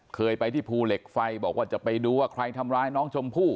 เคยไปที่ภูเหล็กไฟบอกว่าจะไปดูว่าใครทำร้ายน้องชมพู่